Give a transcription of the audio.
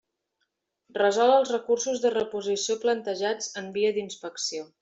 Resol els recursos de reposició plantejats en via d'inspecció.